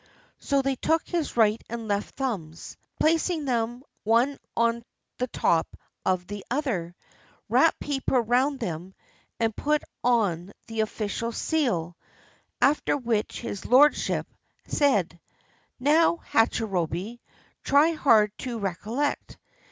So they took his right and left thumbs, placing them one on the top of the other, wrapped paper round them, and put on the official seal, after which his lordship said: "Now, Hachirobei, try hard to recollect!